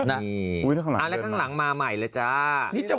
แล้วข้างหลังมาใหม่เลยจ้า